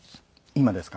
今ですか？